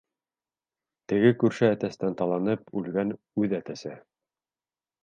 Теге күрше әтәстән таланып үлгән үҙ әтәсе.